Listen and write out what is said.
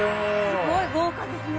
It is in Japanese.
すごい豪華ですね。